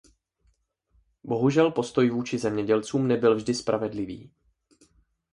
Bohužel postoj vůči zemědělcům nebyl vždy spravedlivý.